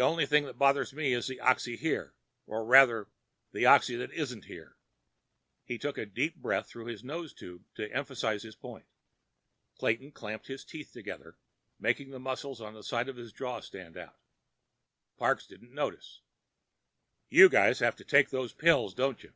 Only thing that bothers me is the oxy here. Or rather, the oxy that isn't here." He took a deep breath through his nose tube to emphasize his point. Clayton clamped his teeth together, making the muscles at the side of his jaw stand out. Parks didn't notice. "You guys have to take those pills, don't you?"